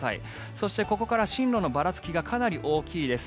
そして、ここから進路のばらつきがかなり大きいです。